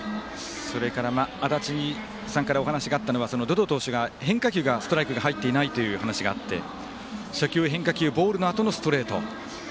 足達さんからお話があったのは百々投手が変化球がストライクで入っていないという話があって初球、変化球ボールのあとのストレート。